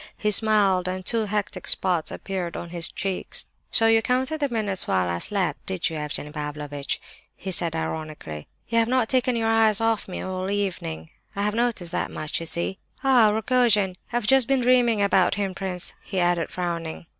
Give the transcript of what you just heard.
He smiled, and two hectic spots appeared on his cheeks. "So you counted the minutes while I slept, did you, Evgenie Pavlovitch?" he said, ironically. "You have not taken your eyes off me all the evening—I have noticed that much, you see! Ah, Rogojin! I've just been dreaming about him, prince," he added, frowning.